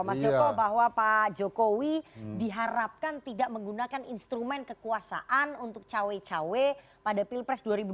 mas joko bahwa pak jokowi diharapkan tidak menggunakan instrumen kekuasaan untuk cawe cawe pada pilpres dua ribu dua puluh